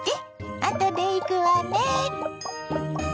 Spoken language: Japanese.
あとで行くわね。